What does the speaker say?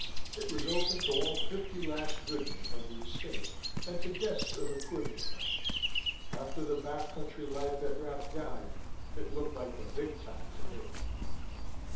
It was open to all fifty lash goodmen of the Estate and to guests of equivalent rank. After the back country life at Rath Gallion it looked like the big time to me.